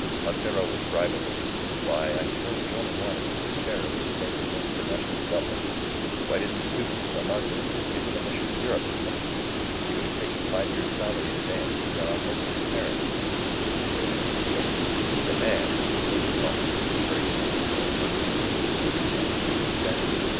Montero was bribeable. Why, I suppose he only wanted his share of this famous loan for national development. Why didn't the stupid Sta. Marta people give him a mission to Europe, or something? He would have taken five years' salary in advance, and gone on loafing in Paris, this stupid, ferocious Indio!" "The man," she said, thoughtfully, and very calm before this outburst, "was intoxicated with vanity.